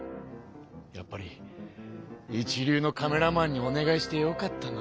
やっぱり一流のカメラマンにお願いしてよかったな。